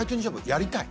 やりたい？